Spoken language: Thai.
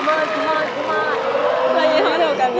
สมาธิ